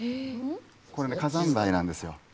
これね火山灰なんですよ。